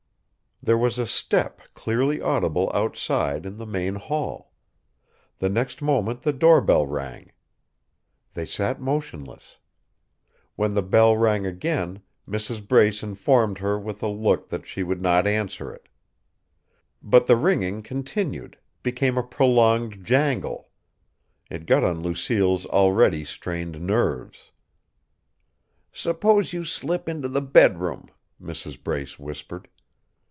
There was a step clearly audible outside, in the main hall. The next moment the doorbell rang. They sat motionless. When the bell rang again, Mrs. Brace informed her with a look that she would not answer it. But the ringing continued, became a prolonged jangle. It got on Lucille's already strained nerves. "Suppose you slip into the bedroom," Mrs. Brace whispered.